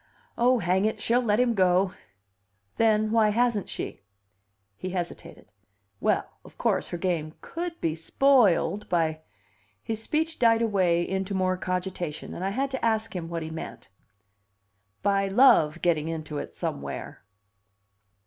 Oh, hang it! She'll let him go!" "Then why hasn't she?" He hesitated. "Well, of course her game could be spoiled by " His speech died away into more cogitation, and I had to ask him what he meant. "By love getting into it somewhere."